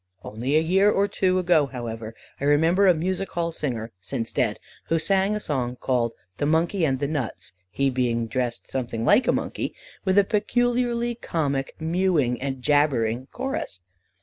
Only a year or two ago, however, I remember a music hall singer, since dead, who sang a song called the Monkey and the Nuts, he being dressed something like a monkey; with a peculiarly comic mewing and jabbering chorus.